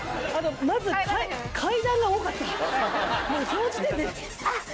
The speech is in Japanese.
まず階段が多かった。